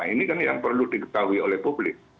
ini kan yang perlu diketahui oleh publik